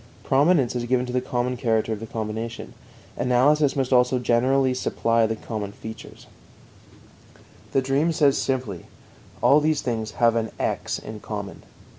Prominence is given to the common character of the combination. Analysis must also generally supply the common features. The dream says simply: All these things have an "x" in common.